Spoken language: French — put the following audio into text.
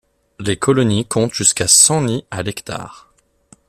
Les colonies comptent jusqu'à cent nids à l'hectare.